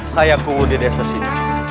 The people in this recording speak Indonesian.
saya kuhu di desa sini